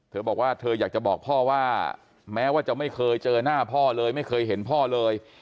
เธอบอกว่าเธออยากจะบอกพ่อว่าแม้ว่าจะไม่เคยเจอหน้าพ่อเลยไม่เคยเห็นพ่อเลย